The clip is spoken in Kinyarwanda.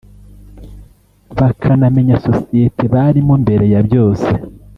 bakanamenya sosiyete barimo mbere ya byose